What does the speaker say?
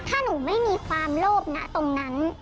ถ้าหนูไม่มีความโลภนะตรงนั้น